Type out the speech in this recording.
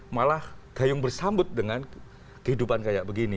malah gayung bersambut dengan kehidupan kayak begini